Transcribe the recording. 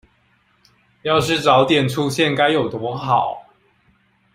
要是早點出現該有多好